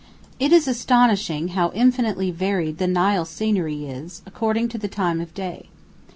It is astonishing how infinitely varied the Nile scenery is according to the time of day.